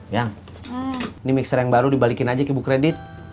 ya ini mixer yang baru dibalikin aja ke bu kredit